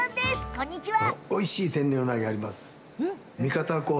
こんにちは。